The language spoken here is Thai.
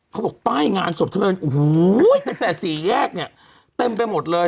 เขาบอกป้ายงานศพเธอเลยโอ้โหตั้งแต่สี่แยกเนี่ยเต็มไปหมดเลย